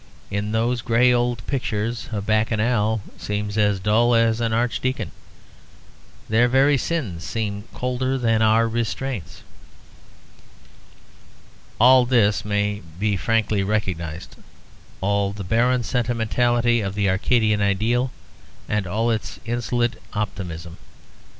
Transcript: In those gray old pictures a bacchanal seems as dull as an archdeacon. Their very sins seem colder than our restraints. All this may be frankly recognised: all the barren sentimentality of the Arcadian ideal and all its insolent optimism.